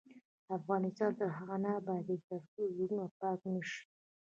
افغانستان تر هغو نه ابادیږي، ترڅو زړونه پاک نشي.